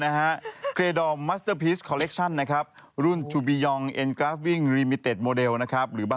เหลือแกและก็ลูกหลานเหรียญลื่อ